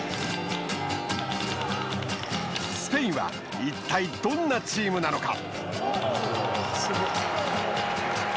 スペインはいったい、どんなチームなのか。